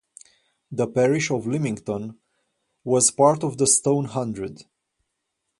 The parish of Limington was part of the Stone Hundred.